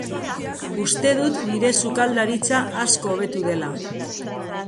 Uste dut nire sukaldaritza asko hobetu dela.